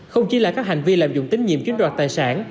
không chỉ là các hành vi lạm dụng tín nhiệm chiếm đoạt tài sản